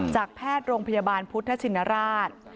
แพทย์โรงพยาบาลพุทธชินราช